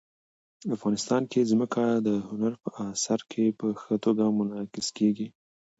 افغانستان کې ځمکه د هنر په اثار کې په ښه توګه منعکس کېږي.